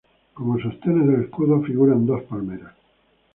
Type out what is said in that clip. Como sostenes del escudo figuran dos palmeras.